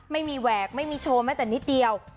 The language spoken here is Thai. แหวกไม่มีโชว์แม้แต่นิดเดียว